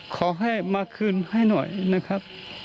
ขอให้มาคืนให้หน่อยนะครับ